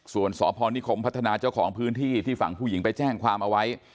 ส่วนสพนิคมพัฒนาเจ้าของพื้นที่ที่ฝั่งผู้หญิงไปแจ้งความเอาไว้